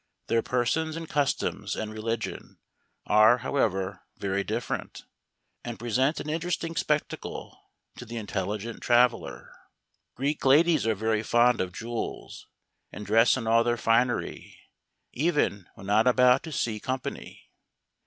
Their persons, and customs, and religion, are however very different,; and present an interesting spectacle to the intel¬ ligent traveller. Greek ladies are very fond of jewels, and dress in all their finery, even when not about to see company.